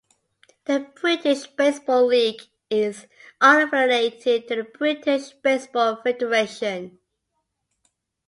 The British Baseball League is unaffiliated to the British Baseball Federation.